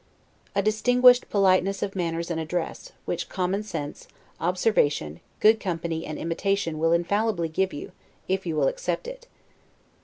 A distinguished politeness of manners and address; which common sense, observation, good company, and imitation, will infallibly give you if you will accept it.